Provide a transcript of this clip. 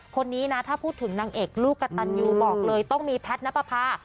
คนนี้นะถ้าพูดถึงนางเอกลูกกระตันยูบอกเลยต้องมีแพทย์นับประพา